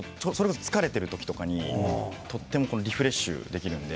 疲れている時とかにとてもリフレッシュできるので。